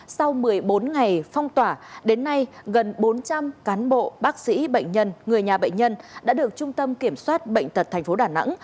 sau một mươi bốn ngày phong tỏa đến nay gần bốn trăm linh cán bộ bác sĩ bệnh nhân người nhà bệnh nhân đã được trung tâm kiểm soát bệnh tật tp đà nẵng